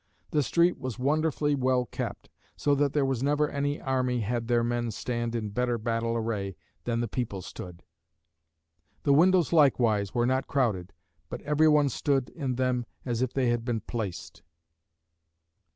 The street was wonderfully well kept: so that there was never any army had their men stand in better battle array than the people stood. The windows likewise were not crowded, but every one stood in them as if they had been placed.